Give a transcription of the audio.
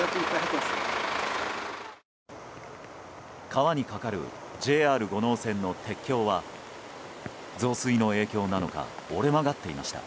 川に架かるＪＲ五能線の鉄橋は増水の影響なのか折れ曲がっていました。